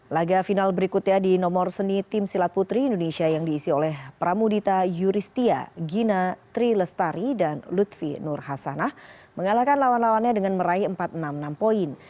laga final berikutnya di nomor seni tim silat putri indonesia yang diisi oleh pramudita yuristia gina trilestari dan lutfi nur hasanah mengalahkan lawan lawannya dengan meraih empat ratus enam puluh enam poin